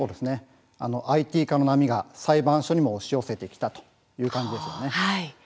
ＩＴ化の波が裁判所にも押し寄せてきたという感じですよね。